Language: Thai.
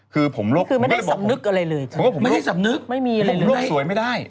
คือผมโรคไม่ได้บอกไม่ได้สำนึกผมโรคสวยไม่ได้